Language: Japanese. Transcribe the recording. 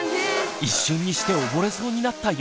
一瞬にして溺れそうになったよしひろくん。